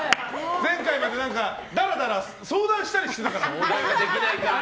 前回までだらだら相談したりしてたから。